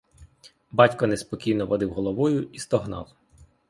Батько неспокійно водив головою і стогнав.